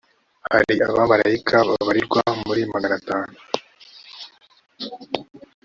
hari abamarayika babarirwa muri maganatanu